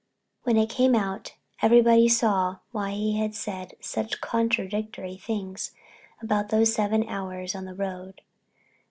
When it came out everybody saw why he had said such contradictory things about those seven hours on the road.